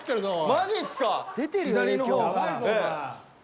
マジっすか！